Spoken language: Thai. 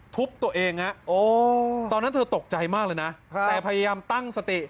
ทุบตัวเองฮะตอนนั้นเธอตกใจมากเลยนะแต่พยายามตั้งสติ